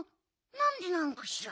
なんでなのかしら？